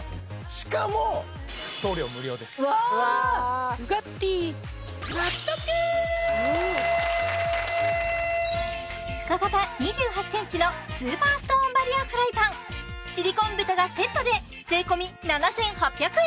しかもうわ深型２８ｃｍのスーパーストーンバリアフライパンシリコン蓋がセットで税込７８００円